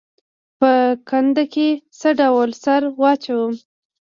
په کنده کې څه ډول سره واچوم؟